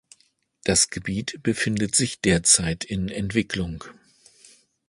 Das Gebiet befindet sich derzeit in Entwicklung.